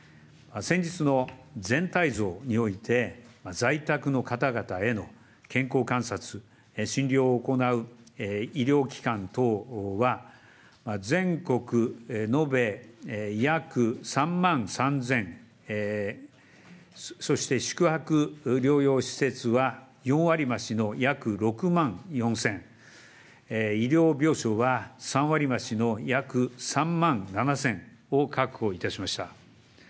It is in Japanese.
先日の全体像において、在宅の方々への健康観察、診療を行う医療機関等は、全国延べ約３万３０００、そして宿泊療養施設は４割増しの約６万４０００、医療病床は３割増しの、約３万７０００を確保いたしました。